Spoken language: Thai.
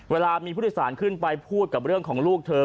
เวลามีผู้โดยสารขึ้นไปพูดกับเรื่องของลูกเธอ